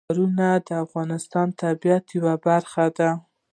ښارونه د افغانستان د طبیعت یوه برخه ده.